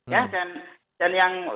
ya dan yang